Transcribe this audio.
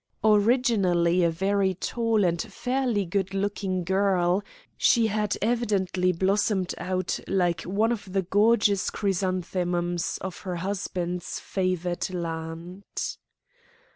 Originally a very tall and fairly good looking girl, she had evidently blossomed out like one of the gorgeous chrysanthemums of her husband's favoured land.